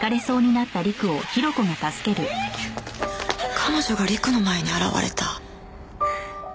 彼女が陸の前に現れた。